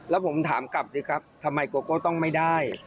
แล้วผมถามกลับสิครับทำไมโกโก้ต้องไม่ได้